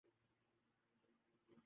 اس issue کو زیربحث لانا چاہیے۔